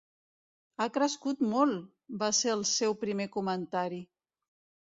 "Ha crescut molt!", va ser el seu primer comentari.